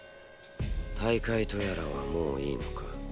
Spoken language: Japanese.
大会とやらはもういいのか。